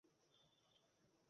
এই নিমন্ত্রণপত্র দিয়ে কী করব?